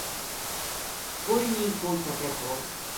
کوئی نیہہ کھول سکے تھو